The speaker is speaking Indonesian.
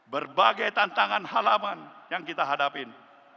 berbagai tantangan halaman yang kita hadapin